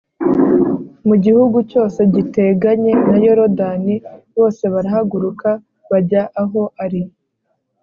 mu gihugu cyose giteganye na Yorodani bose barahaguruka bajya aho ari,